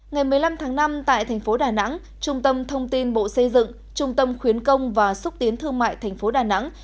ngày một mươi năm tháng năm tại thành phố đà nẵng trung tâm thông tin bộ xây dựng trung tâm khuyến công và xúc tiến thương mại thành phố đà nẵng